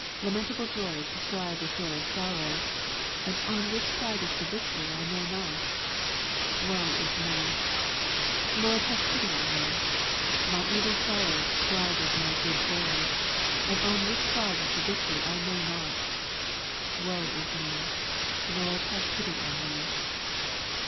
Lamentable joys strive with joyous sorrows : and on which side is the victory, I know not. Woe is me ! Lord, have pity on me. My evil sorrows strive with my good joys ; and on which side is the victory, I know not. Woe is me ! Lord, have pity on me.